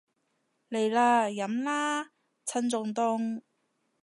嚟啦，飲啦，趁仲凍